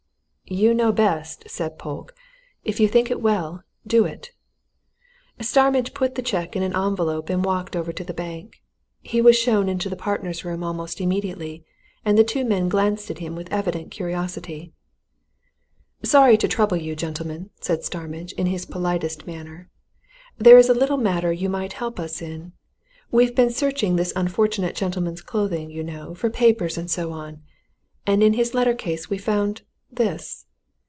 "You know best," said Polke. "If you think it well, do it." Starmidge put the cheque in an envelope and walked over to the bank. He was shown into the partners' room almost immediately, and the two men glanced at him with evident curiosity. "Sorry to trouble you, gentlemen," said Starmidge, in his politest manner. "There's a little matter you might help us in. We've been searching this unfortunate gentleman's clothing, you know, for papers and so on. And in his letter case we found this!"